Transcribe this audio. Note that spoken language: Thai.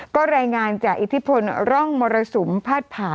กรมป้องกันแล้วก็บรรเทาสาธารณภัยนะคะ